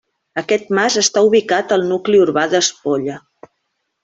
Aquest mas està ubicat al nucli urbà d'Espolla.